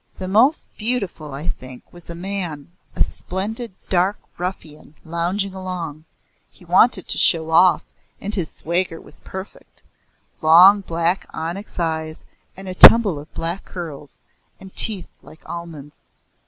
"The most beautiful, I think, was a man a splendid dark ruffian lounging along. He wanted to show off, and his swagger was perfect. Long black onyx eyes and a tumble of black curls, and teeth like almonds.